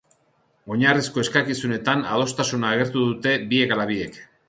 Oinarrizko eskakizunetan adostasuna agertu dute biek ala biek.